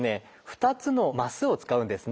２つのマスを使うんですね。